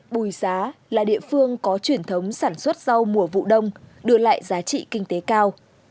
bùi xá là địa phương có truyền thống sản xuất rau mùa vụ đông đưa lại giá trị kinh tế cao